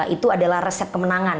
itu adalah resep kemenangan